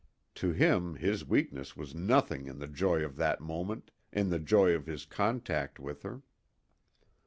To him his weakness was nothing in the joy of that moment, in the joy of his contact with her.